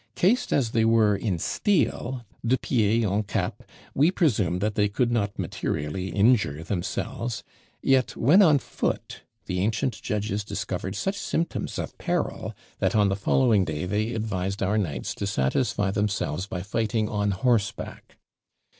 Cased as they were in steel, de pied en cap, we presume that they could not materially injure themselves; yet, when on foot, the ancient judges discovered such symptoms of peril, that on the following day they advised our knights to satisfy themselves by fighting on horseback.